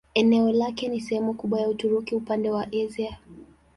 Eneo lake ni sehemu kubwa ya Uturuki upande wa Asia.